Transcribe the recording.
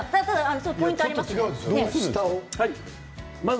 ポイントがあります。